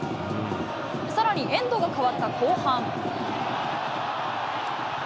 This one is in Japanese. さらにエンドが変わった後半。